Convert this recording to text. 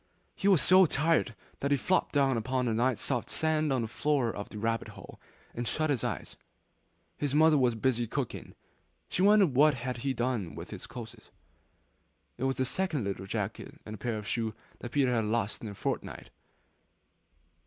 He was so tired that he flopped down upon the nice soft sand on the floor of the rabbit hole and shut his eyes. His mother was busy cooking; she wondered what he had done with his clothes. It was the second little jacket and pair of shoes that Peter had lost in a fortnight!